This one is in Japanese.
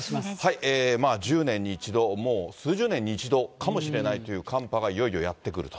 １０年に一度、もう数十年に一度かもしれないという寒波がいよいよやって来ると。